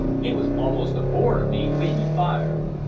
He was a'most aboard of me w'en you fired."